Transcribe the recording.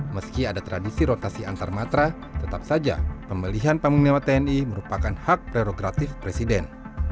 meski ada tradisi rotasi antarmatra tetap saja pembelian panglima tni merupakan hak prerogatif presiden